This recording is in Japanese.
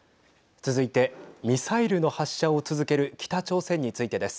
続いてミサイルの発射を続ける北朝鮮についてです。